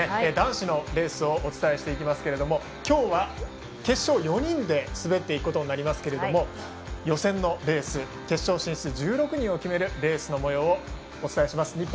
男子のレースをお伝えしていきますが今日は決勝、４人で滑っていくことになりますが予選のレース決勝進出１６人を決めるレースのもようをお伝えします。